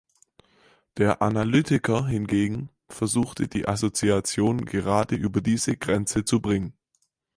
Der Analytiker hingegen versuche, die Assoziationen gerade über diese Grenze zu bringen.